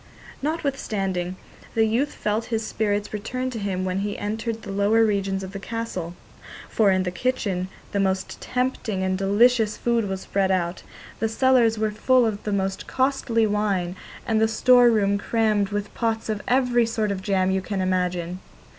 Notwithstanding, the youth felt his spirits return to him when he entered the lower regions of the castle, for in the kitchen the most tempting and delicious food was spread out, the cellars were full of the most costly wine, and the store room crammed with pots of every sort of jam you can imagine.